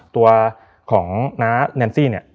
ตัวของน้าแนนซี่